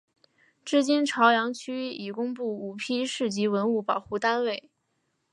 至今潮阳区已公布五批市级文物保护单位。